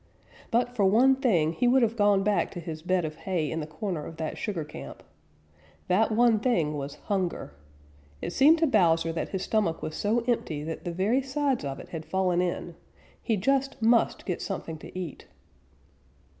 But for one thing he would have gone back to his bed of hay in the corner of that sugar camp. That one thing was hunger. It seemed to Bowser that his stomach was so empty that the very sides of it had fallen in. He just must get something to eat.